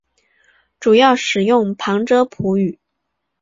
主要使用旁遮普语。